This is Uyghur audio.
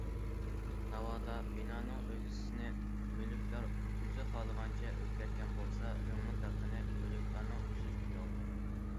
ناۋادا بىنانىڭ ئۆگزىسىنى مۈلۈكدار ئۆزى خالىغانچە ئۆزگەرتكەن بولسا، رېمونت ھەققىنى مۈلۈكدارنىڭ ئۆزى ئۈستىگە ئالىدۇ.